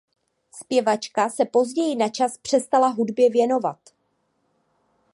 Zpěvačka se později na čas přestala hudbě věnovat.